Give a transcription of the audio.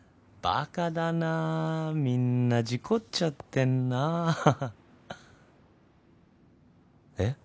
ばかだなみんな事故っちゃってんなえっ？